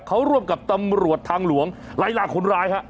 เขาร่วมกับตำรวจทางหลวงไล่ลาคนร้ายฮะ